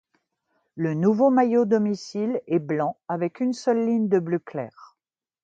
Le nouveau maillot domicile est blanc avec une seule ligne de bleu clair.